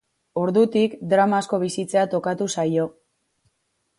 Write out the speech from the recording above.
Ordutik, drama asko bizitzea tokatu zaio.